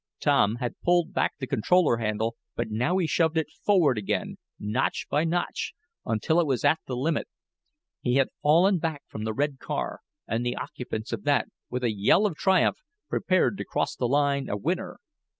Tom had pulled back the controller handle, but he now shoved it forward again, notch by notch, until it was at the limit. He had fallen back from the red car, and the occupants of that, with a yell of triumph, prepared to cross the line a winner.